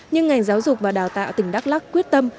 nhưng ngành giáo dục và đào tạo tỉnh đắk lắc quyết tâm